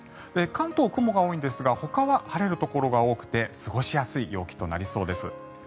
関東、雲が多いんですがほかは晴れるところが多くて過ごしやすい陽気となりそうです。